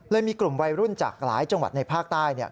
มีกลุ่มวัยรุ่นจากหลายจังหวัดในภาคใต้